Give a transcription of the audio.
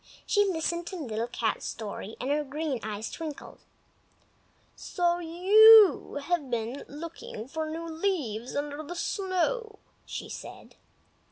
She listened to Little Cat's story, and her green eyes twinkled. "So you have been looking for new leaves under the snow!" she said.